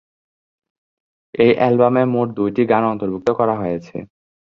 এই অ্যালবামে মোট দুইটি গান অন্তর্ভুক্ত করা হয়েছে।